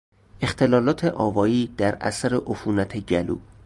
اختلالات آوایی در اثر عفونت گلو